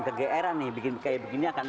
ke geeran nih kayak begini akan